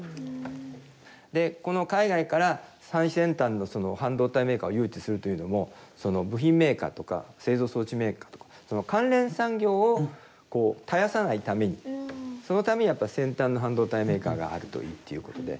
で海外から最先端のその半導体メーカーを誘致するというのもその部品メーカーとか製造装置メーカーとかその関連産業を絶やさないためにそのために先端の半導体メーカーがあるといいっていうことで。